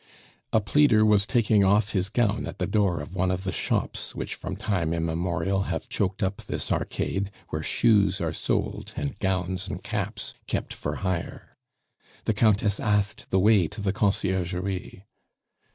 A pleader was taking off his gown at the door of one of the shops which from time immemorial have choked up this arcade, where shoes are sold, and gowns and caps kept for hire. The Countess asked the way to the Conciergerie.